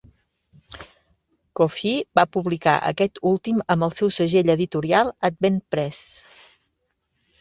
Coffey va publicar aquest últim amb el seu segell editorial Advent Press.